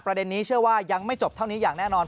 นี้เชื่อว่ายังไม่จบเท่านี้อย่างแน่นอน